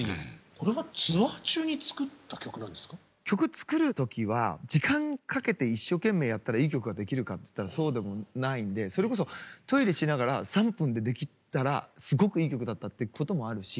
曲作る時は時間かけて一生懸命やったらいい曲ができるかって言ったらそうでもないんでそれこそトイレしながら３分で出来たらすごくいい曲だったってこともあるし。